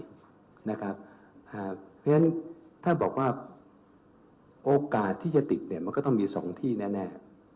เพราะฉะนั้นถ้าบอกว่าโอกาสที่จะติดมันก็ต้องมี๒ที่แน่